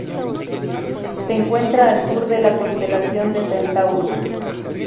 Se encuentra al sur de la constelación de Centaurus.